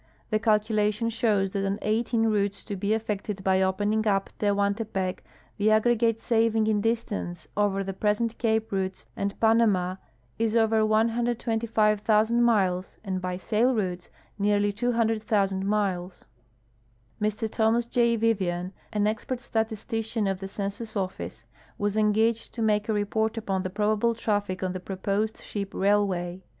The calculation shows that on eighteen routes to be affected by open ing u]) Te]iuantc[)ec the aggregate saving in distance over the present cape routes and Panama is over 125,000 miles and l)y sail routes nearly 200,000 miles. Mr Thomas J. Vivian, an expert statistician of the Census Office, was engaged to make a report upon the probable traffic on the proposed ship railway.